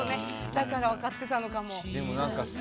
だから分かってたのかも。